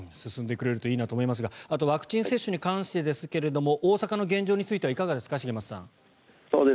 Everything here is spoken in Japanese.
進んでくれるといいなと思いますがあとはワクチン接種に関してですが大阪の現状についてはいかがですか、茂松さん。